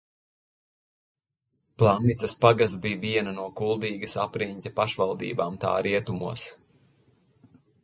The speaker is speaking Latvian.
Planicas pagasts bija viena no Kuldīgas apriņķa pašvaldībām tā rietumos.